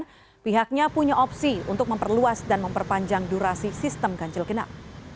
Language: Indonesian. namun pihaknya punya opsi untuk memperluas dan memperpanjang durasi sistem ganjil genap